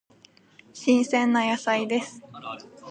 新鮮な野菜です。